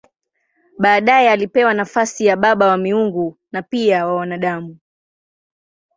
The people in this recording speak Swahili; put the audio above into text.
Baadaye alipewa nafasi ya baba wa miungu na pia wa wanadamu.